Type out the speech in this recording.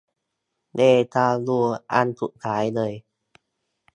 เดจาวู อันสุดท้ายเลย